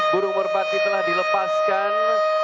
burung merpati telah dilepaskan